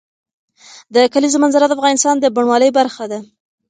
د کلیزو منظره د افغانستان د بڼوالۍ برخه ده.